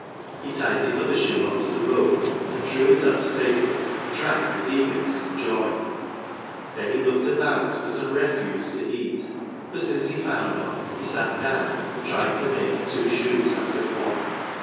He tied the other shoe on to the rope, and drew it up safely and drank with eagerness and joy. Then he looked about for some refuse to eat, but since he found none, he sat down, and tried to make two shoes out of one.